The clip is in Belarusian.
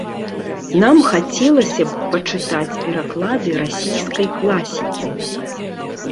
Нам хацелася б пачытаць пераклады расійскай класікі.